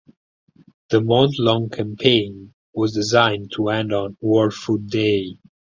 The month long campaign was designed to end on World Food Day.